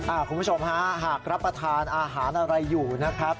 คุณผู้ชมฮะหากรับประทานอาหารอะไรอยู่นะครับ